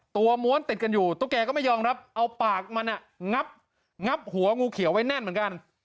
ม้วนติดกันอยู่ตุ๊กแกก็ไม่ยอมรับเอาปากมันงับหัวงูเขียวไว้แน่นเหมือนกัน